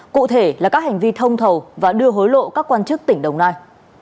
cụ thể là các hành vi thông thầu và đưa hối lộ các quan chức tỉnh đồng nai